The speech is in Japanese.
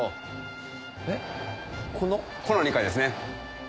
この２階ですね。